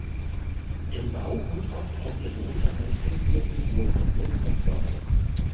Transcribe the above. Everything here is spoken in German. Ihren Bau und oft auch ihren Unterhalt finanzierten wohlhabende Kaufleute.